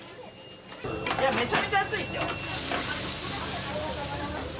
めちゃめちゃ暑いですよ。